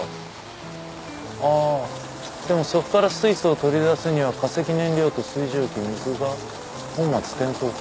ああでもそっから水素を取り出すには化石燃料と水蒸気水本末転倒か。